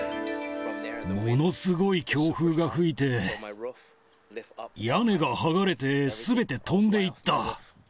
ものすごい強風が吹いて、屋根が剥がれて、すべて飛んでいった。